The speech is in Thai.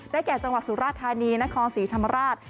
ได้แก่จังหวัดสุราษฎร์ธานีนครสีธรรมราช